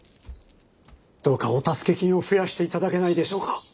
どうかお助け金を増やして頂けないでしょうか